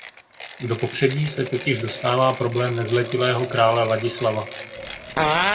Do popředí se totiž dostává problém nezletilého krále Ladislava.